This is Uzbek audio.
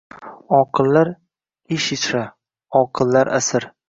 Oqillar — ish ichra, oqillar asir.